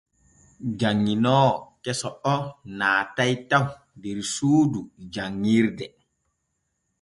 Janŋinoowo keso o naatoy taw der suudu janŋirde.